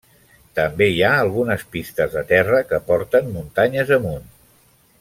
També hi ha algunes pistes de terra que porten muntanyes amunt.